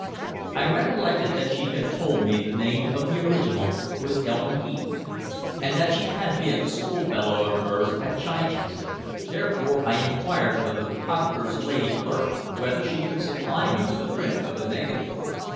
I recollected that she had told me the name of the original was Elma Heath, and that she had been a schoolfellow of hers at Chichester. Therefore I inquired of the photographer's lady clerk whether she could supply me with a print of the negative.